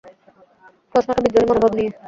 প্রশ্নটা বিদ্রোহী মনোভাব নিয়ে।